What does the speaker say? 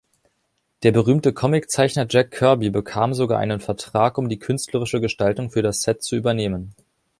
Der berühmte Comiczeichner Jack Kirby bekam sogar einen Vertrag, um die künstlerische Gestaltung für das Set zu übernehmen.